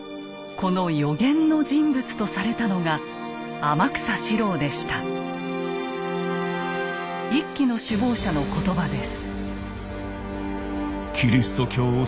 この予言の人物とされたのが一揆の首謀者の言葉です。